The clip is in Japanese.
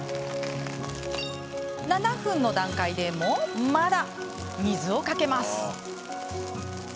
７分の段階でもまだ水をかけます。